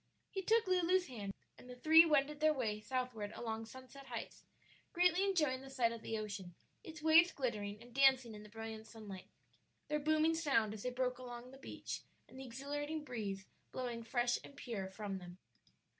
He took Lulu's hand, and the three wended their way southward along Sunset Heights, greatly enjoying the sight of the ocean, its waves glittering and dancing in the brilliant sunlight, their booming sound as they broke along the beach and the exhilarating breeze blowing fresh and pure from them.